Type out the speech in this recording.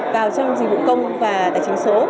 vào trong dịch vụ công và tài chính số